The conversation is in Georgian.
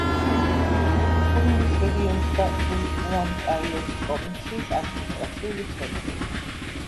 ხუნინის რეგიონის და უანკაიოს პროვინციის ადმინისტრაციული ცენტრი.